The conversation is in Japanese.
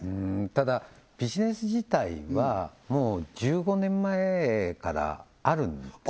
ただビジネス自体はもう１５年前からあるんですよ